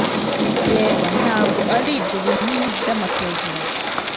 Reba, ntabwo aribyo binini byamasezerano.